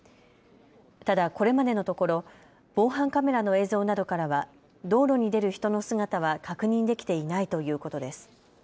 ただ、これまでのところ防犯カメラの映像などからは道路に出る人の姿は確認できていないということです。